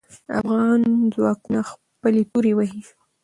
افغان ځواکونه خپلې تورو وهې.